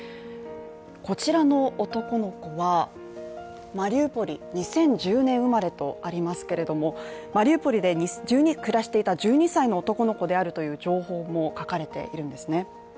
こちらの男の子は、マリウポリ２０１０年生まれとありますけれどもマリウポリで暮らしていた１２歳の男の子であるという情報も書かれているんですね。